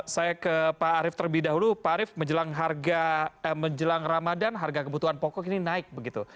saya ke pak arief terlebih dahulu pak arief menjelang ramadan harga kebutuhan pokok ini naik begitu